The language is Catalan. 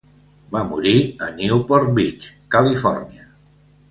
Va morir a Newport Beach, Califòrnia.